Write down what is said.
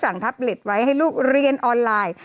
แท็บเล็ตไว้ให้ลูกเรียนออนไลน์